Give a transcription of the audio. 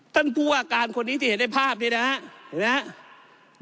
คนผู้อาการคนนี้ที่เห็นในภาพนี้นะครับ